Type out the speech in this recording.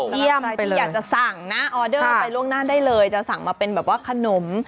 เยี่ยมอยากจะสั่งนะออเดอร์ไปล่วงหน้าได้เลยจะสั่งมาเป็นแบบว่าขนม